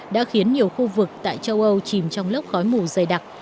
đã khiến nhiều khu vực tại châu âu chìm trong lốc khói mù dày đặc